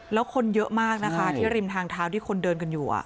แล้วคนเยอะมากนะคะที่ริมทางเท้าที่คนเดินกันอยู่